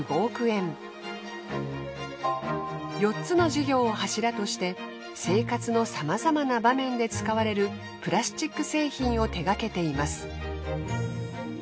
４つの事業を柱として生活のさまざまな場面で使われるプラスチック製品を手がけています。